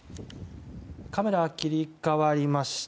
カメラが切り替わりました。